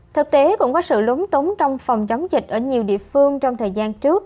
thực tế cũng có sự lúng túng trong phòng chống dịch ở nhiều địa phương trong thời gian trước